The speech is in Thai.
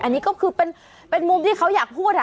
อันนี้ก็คือเป็นมุมที่เขาอยากพูด